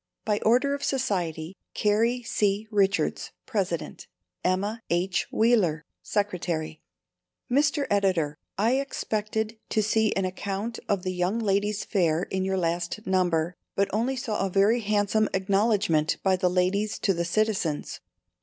By order of Society, Carrie C. Richards, Pres't. Emma H. Wheeler, Sec'y. Mr. Editor I expected to see an account of the Young Ladies' Fair in your last number, but only saw a very handsome acknowledgment by the ladies to the citizens.